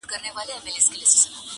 شرمنده ټول وزيران او جنرالان وه٫